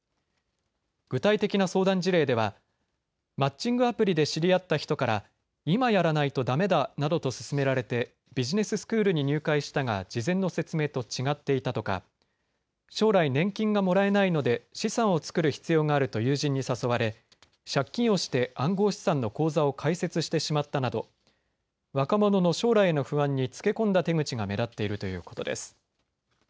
具体的な相談事例ではマッチングアプリで知り合った人から今やらないとだめだなどと勧められてビジネススクールに入会したが事前の説明と違っていたとか将来年金がもらえないので資産を作る必要があると友人に誘われ借金をして暗号資産の口座を開設してしまったなど、若者の将来への不安につけ込んだ手口が目立っているということです。